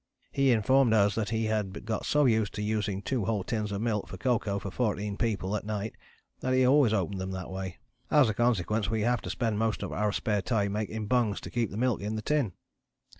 He informed us that he had got so used to using two whole tins of milk for cocoa for fourteen people at night that he always opened them that way. "As a consequence we have to spend most of our spare time making bungs to keep the milk in the tin."